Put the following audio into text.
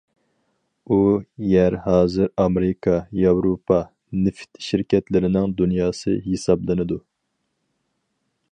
ئۇ يەر ھازىر ئامېرىكا، ياۋروپا نېفىت شىركەتلىرىنىڭ دۇنياسى ھېسابلىنىدۇ.